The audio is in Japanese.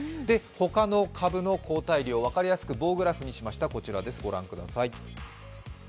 ほかの株の抗体量を分かりやすく棒グラフにしました、御覧ください。